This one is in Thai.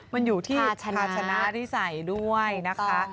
มันอยู่ที่ภาชนะที่ใส่ด้วยนะคะ